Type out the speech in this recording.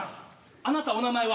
あなたお名前は？